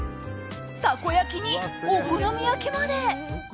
たこ焼きに、お好み焼きまで。